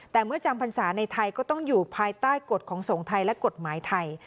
แต่เมื่อจำพรรษาในไทยก็ต้องอยู่ภายใต้กฎของสงฆ์ไทยและกฎหมายไทย